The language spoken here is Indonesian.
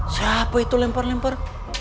siapa itu lempar lempar